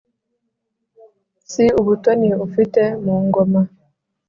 si ubutoni ufite mu ngoma